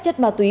chất ma túy